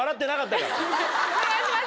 お願いします